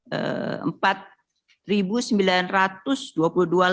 kepala bepom penny k lukito mengatakan batas akan standar internasional cemaran